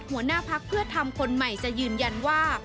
หัวหน้าพักเพื่อทำคนใหม่จะยืนยันว่า